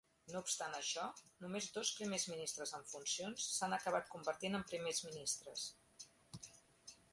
No obstant això, només dos primers ministres en funcions s'han acabat convertint en primers ministres.